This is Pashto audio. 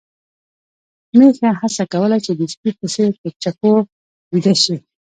میښه هڅه کوله چې د سپي په څېر په چپو ويده شي.